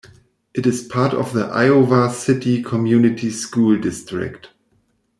It is part of the Iowa City Community School District.